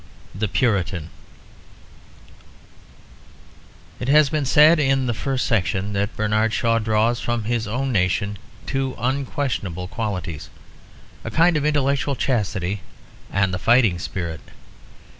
The Puritan It has been said in the first section that Bernard Shaw draws from his own nation two unquestionable qualities, a kind of intellectual chastity, and the fighting spirit.